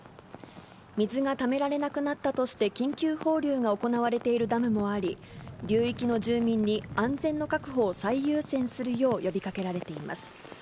水がためられなくなったとして、緊急放流が行われているダムもあり、流域の住民に、安全の確保を最優先するよう呼びかけられています。